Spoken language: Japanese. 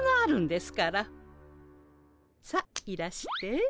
さあいらして。